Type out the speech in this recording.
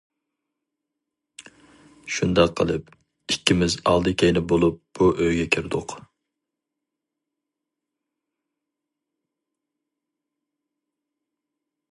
شۇنداق قىلىپ، ئىككىمىز ئالدى كەينى بولۇپ، بۇ ئۆيگە كىردۇق.